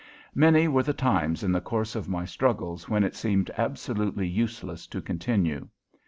Many were the times in the course of my struggles when it seemed absolutely useless to continue.